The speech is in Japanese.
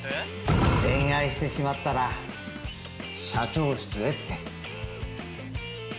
恋愛してしまったら社長室へって。